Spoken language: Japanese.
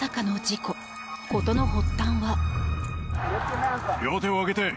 事の発端は。